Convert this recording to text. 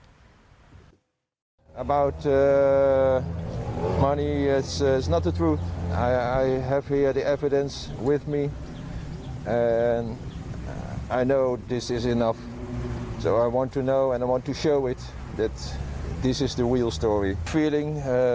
เพราะฉะนั้นฉันอยากรู้และแสดงว่านี่คือความจริง